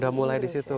sudah mulai di situ